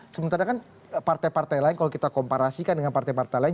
sementara kan partai partai lain kalau kita komparasikan dengan partai partai lain